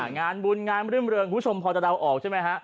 งานบุญงานรื่มเรืองคุณผู้ชมพอจะเดาออกใช่ไหมฮะ